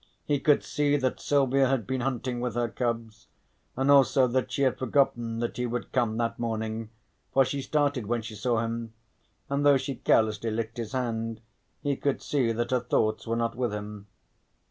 He could see that Silvia had been hunting with her cubs, and also that she had forgotten that he would come that morning, for she started when she saw him, and though she carelessly licked his hand, he could see that her thoughts were not with him.